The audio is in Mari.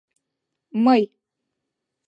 Мый!